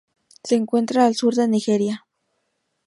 Se encuentra al sur de Nigeria.